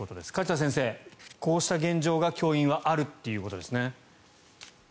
梶田先生、こうした現状が教員はあるということですね。